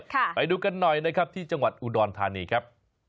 ไปดูกันหน่อยนะครับที่จังหวัดอุดรธานีครับ